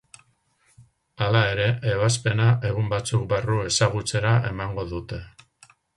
Hala ere, ebazpena egun batzuk barru ezagutzera emango dute.